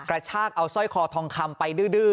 กระชากเอาสร้อยคอทองคำไปดื้อ